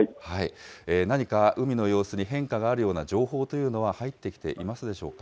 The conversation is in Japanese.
何か海の様子に変化があるような情報というのは入ってきていますでしょうか。